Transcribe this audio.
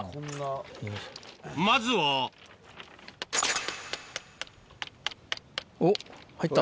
まずはおっ入った。